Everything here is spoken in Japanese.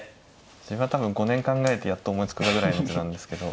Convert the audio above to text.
自分は多分５年考えてやっと思いつくなぐらいの手なんですけど。